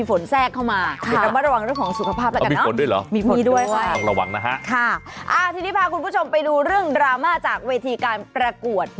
ทีนี้พาคุณผู้ชมไปดูเรื่องดราม่าจากเวทีการประกวด